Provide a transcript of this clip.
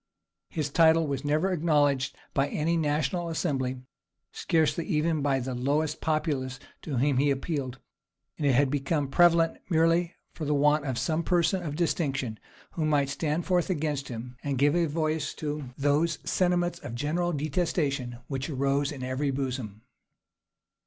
His title was never acknowledged by any national assembly, scarcely even by the lowest populace to whom he appealed; and it had become prevalent merely for want of some person of distinction, who might stand forth against him, and give a voice to those sentiments of general detestation which arose in every bosom.